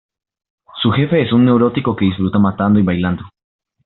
Su jefe es un neurótico que disfruta matando y bailando.